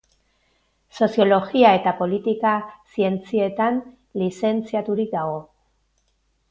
Soziologia eta politika-zientzietan lizentziaturik dago.